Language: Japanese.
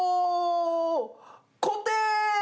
こて！